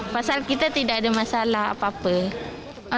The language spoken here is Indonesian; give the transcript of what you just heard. pasal kita tidak ada masalah apa apa ya